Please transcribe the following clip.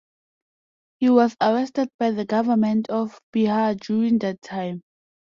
He was arrested by the Government of Bihar during that time.